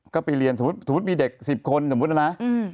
ก็ไปเรียนสมมุติมีเด็ก๑๐คนสมมุตินะ